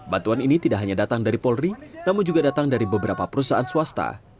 bantuan ini tidak hanya datang dari polri namun juga datang dari beberapa perusahaan swasta